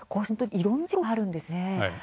いろんな事故があるんですね。